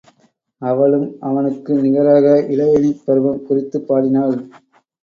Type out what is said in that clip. அவளும் அவனுக்கு நிகராக இளவேனிற்பருவம் குறித்துப் பாடினாள்.